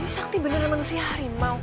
sakti memang manusia